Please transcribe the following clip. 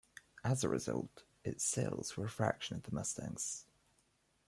As a result, its sales were a fraction of the Mustang's.